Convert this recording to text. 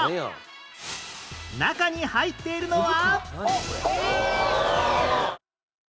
中に入っているのは